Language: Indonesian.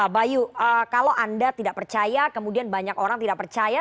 bayu kalau anda tidak percaya kemudian banyak orang tidak percaya